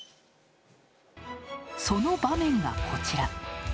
その場面が、こちら。